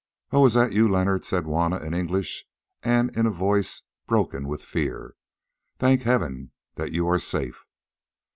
"Oh, is that you, Leonard?" said Juanna in English, and in a voice broken with fear. "Thank Heaven that you are safe!"